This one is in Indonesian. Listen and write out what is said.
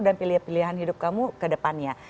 dan pilihan pilihan hidup kamu ke depannya